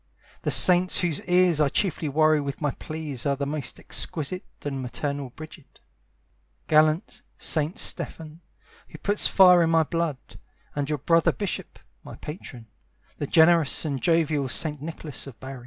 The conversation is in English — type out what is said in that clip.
The saints whose ears I chiefly worry with my pleas are the most exquisite and maternal Brigid, Gallant Saint Stephen, who puts fire in my blood, And your brother bishop, my patron, The generous and jovial Saint Nicholas of Bari.